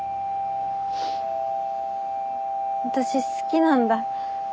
私好きなんだ